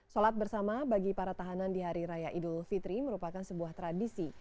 sholat bersama bagi para tahanan di hari raya idul fitri merupakan sebuah tradisi